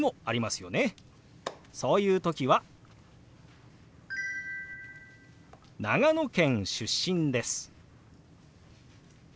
そういう時は「長野県出身です」